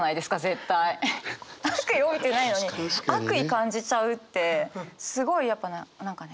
悪意帯びてないないのに悪意感じちゃうってすごいやっぱ何かね